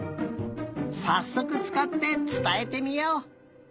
さっそくつかってつたえてみよう！